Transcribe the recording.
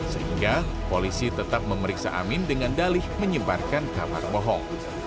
sehingga polisi tetap memeriksa amin dengan dalih menyebarkan kabar bohong